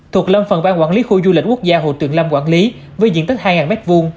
thuộc lâm phần ban quản lý khu du lịch quốc gia hồ tuyền lâm quản lý với diện tích hai m hai